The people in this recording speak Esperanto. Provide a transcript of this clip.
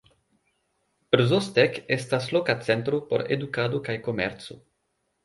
Brzostek estas loka centro por edukado kaj komerco.